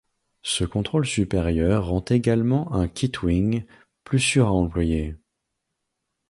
Ce contrôle supérieur rend également un Kitewing plus sûr à employer.